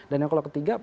dan yang ketiga